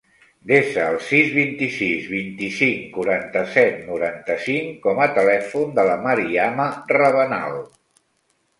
Desa el sis, vint-i-sis, vint-i-cinc, quaranta-set, noranta-cinc com a telèfon de la Mariama Rabanal.